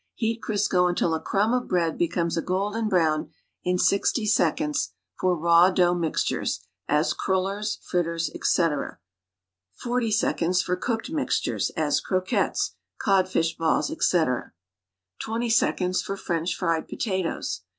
Heat Crisco until a crumb of bread becomes a golden brown in GO seconds tor raw dougli mixtures, as cruilers.l'ritters, etc.; 40 seconds for cooked mixtures, as croquettes, codtisli balls, etc.; 20 seconds for French fried potatoes.